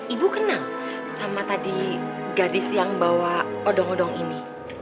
ibu kenal sama tadi gadis yang bawa odong odong ini